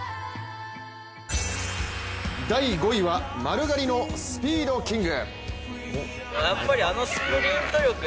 第５位は丸刈りのスピードキング。